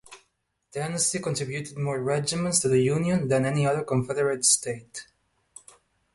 Tennessee contributed more regiments to the Union than any other Confederate state.